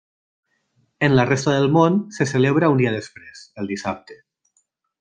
En la resta del món, se celebra un dia després, el dissabte.